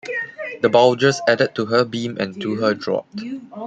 The bulges added to her beam and to her draught.